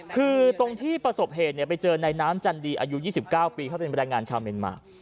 คือตรงที่ประสบเหตุไปเจอในน้ำจันดีอายุ๒๙ปีเขาเป็นแรงงานชาวเมียนมา